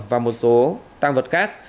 và một số tang vật khác